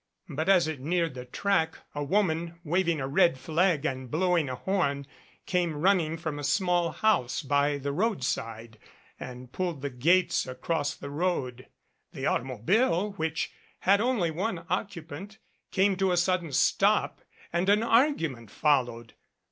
But as it neared the track a woman waving a red flag and blowing a horn came running from a small house by the roadside and pulled the gates across the road. The automobile, which had only one occupant, came to a sudden stop and an argument followed.